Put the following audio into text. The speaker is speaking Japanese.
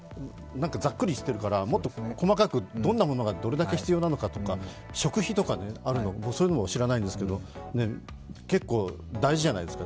ざっくりしてるから、もっと細かくどんなものがどれだけ必要だとか食費とか、僕、そういうのも知らないですけれども、結構、大事じゃないですか。